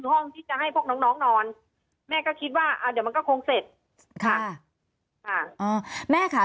ตอนที่จะไปอยู่โรงเรียนนี้แปลว่าเรียนจบมไหนคะ